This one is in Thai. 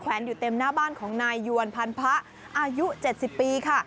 อยู่เต็มหน้าบ้านของนายยวนพันธะอายุ๗๐ปีค่ะ